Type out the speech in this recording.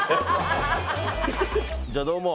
じゃあどうも。